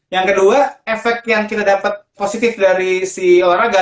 yang kedua efek yang kita dapat positif dari si olahraga